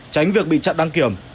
tránh việc bị chặn đăng kiểm